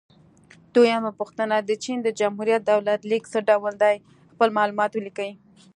دویمه پوښتنه: د چین د جمهوري دولت لیک څه ډول دی؟ خپل معلومات ولیکئ.